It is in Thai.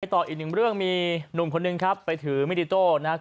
ต่ออีกหนึ่งเรื่องมีหนุ่มคนหนึ่งครับไปถือมินิโต้นะครับ